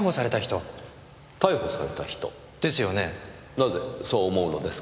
なぜそう思うのですか？